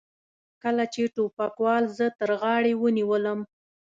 کله چې ټوپکوال زه تر غاړې ونیولم.